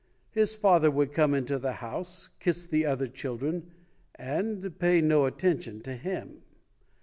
His father would come into the house, kiss the other children, and pay no attention to him.